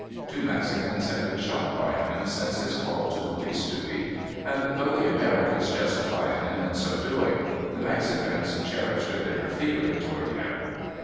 Two Mexicans had been shot by him since his call to police duty, and, though the Americans justified him in so doing, the Mexicans cherished a bitter feeling toward him.